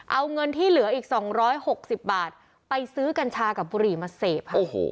เอาเงินที่เหลืออีก๒๖๐บาทไปซื้อกัญชากับบุหรี่มาเสพค่ะ